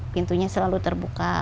pintunya selalu terbuka